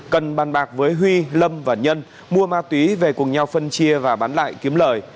cần bàn bạc với huy lâm và nhân mua ma túy về cùng nhau phân chia và bán lại kiếm lời